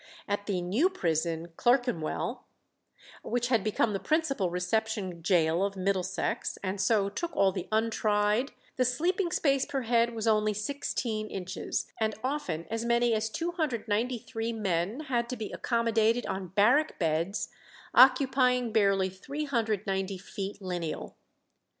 At the New Prison, Clerkenwell, which had become the principal reception gaol of Middlesex, and so took all the untried, the sleeping space per head was only sixteen inches, and often as many as 293 men had to be accommodated on barrack beds occupying barely 390 feet lineal.